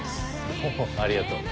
おおありがとう。